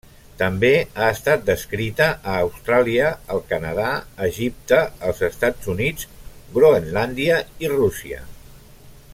També ha estat descrita a Austràlia, el Canadà, Egipte, els Estats Units, Groenlàndia i Rússia.